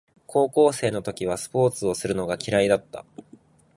高校生の時はスポーツをするのが嫌いだった